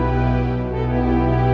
dalam satu minggu